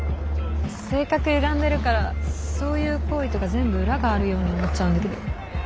性格ゆがんでるからそういう厚意とか全部裏があるように思っちゃうんだけど。